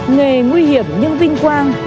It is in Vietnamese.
nghề nguy hiểm nhưng vinh quang